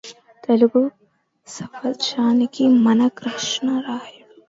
తెలుగుసవ్యసాచి మన కృష్ణరాయుడు